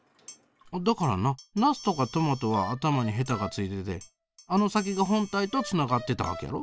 だからなナスとかトマトは頭にヘタが付いててあの先が本体とつながってたわけやろ？